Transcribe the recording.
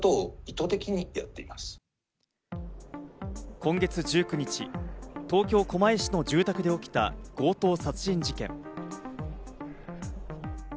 今月１９日、東京・狛江市の住宅で起きた強盗殺人事件。